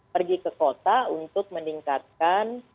pergi ke kota untuk meningkatkan